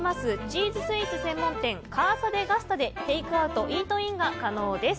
チーズスイーツ専門店ＣＡＳＡＤＥＧＡＺＴＡでテイクアウト・イートインが可能です。